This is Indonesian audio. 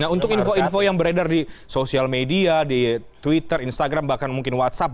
untuk info info yang beredar di sosial media di twitter instagram bahkan mungkin whatsapp